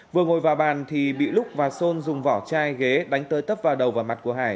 vừa ngồi vào bàn thì bị lúc và sơn dùng vỏ chai ghé đánh tới tấp vào đầu và mặt của hải